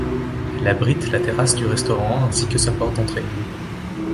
Elle abrite la terrasse du restaurant ainsi que sa porte d'entrée.